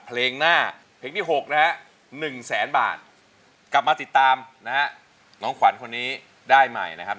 เพลงหน้าเพลงที่๖นะฮะ๑แสนบาทกลับมาติดตามนะฮะน้องขวัญคนนี้ได้ใหม่นะครับ